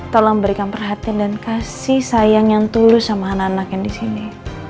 tolong berikan perhatian dan kasih sayang yang tulus sama anak anak yang di sini